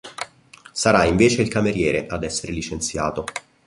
Sarà invece il cameriere ad essere licenziato.